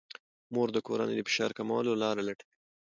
مور د کورنۍ د فشار کمولو لارې لټوي.